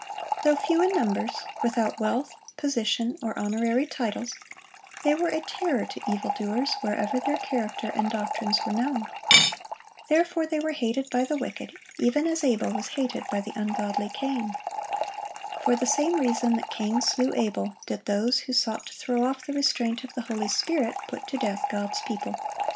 Though few in numbers, without wealth, position, or honorary titles, they were a terror to evil doers wherever their character and doctrines were known. Therefore they were hated by the wicked, even as Abel was hated by the ungodly Cain. For the same reason that Cain slew Abel, did those who sought to throw off the restraint of the Holy Spirit, put to death God's people.